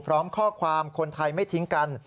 พร้อมข้อความคนไทยไม่ทิ้งกัน